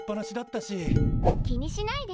気にしないで。